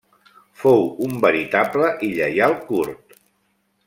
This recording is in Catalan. Fou un veritable i lleial kurd.